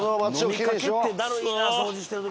飲みかけってダルいな掃除してる時。